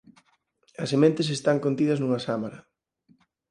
As sementes están contidas nunha sámara.